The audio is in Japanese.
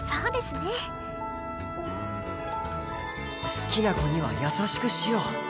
好きな子には優しくしよう。